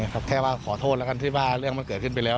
แค่ว่าขอโทษแล้วกันที่ว่าเรื่องมันเกิดขึ้นไปแล้ว